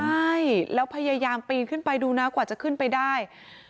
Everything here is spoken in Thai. ใช่แล้วพยายามปีนขึ้นไปดูนะกว่าจะขึ้นไปได้